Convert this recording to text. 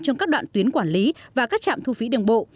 trong các đoạn tuyến quản lý và các trạm thu phí đường bộ